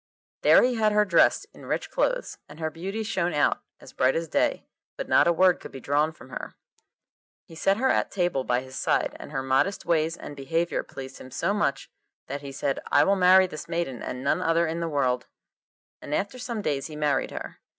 There he had her dressed in rich clothes, and her beauty shone out as bright as day, but not a word could be drawn from her. He set her at table by his side, and her modest ways and behaviour pleased him so much that he said, 'I will marry this maiden and none other in the world,' and after some days he married her.